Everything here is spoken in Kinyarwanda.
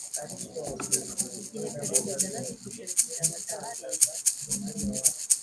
Igihe perezida na visi perezida badahari